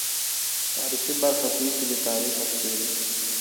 تاریخي برخه پېښې له تاریخه څېړي.